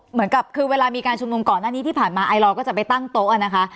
เหมือนกับคือเวลามีการชุมนุมก่อนหน้านี้ที่ผ่านมาไอลอร์ก็จะไปตั้งโต๊ะนะคะ